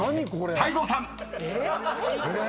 ［泰造さん］え！